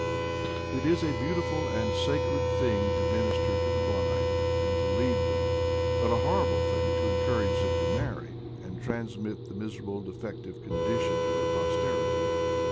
It is a beautiful and sacred thing to minister to the blind, and to lead them, but a horrible thing to encourage them to marry and transmit the miserable defective condition to their posterity.